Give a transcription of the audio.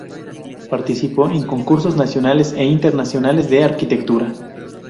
Participó en concursos nacionales e internacionales de arquitectura.